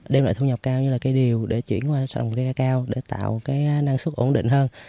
đem lại thu nhập cao như là cây điều để chuyển qua trồng cây cao để tạo cái năng suất ổn định hơn